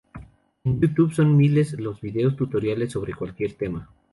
En Youtube son miles los videos tutoriales sobre cualquier tema.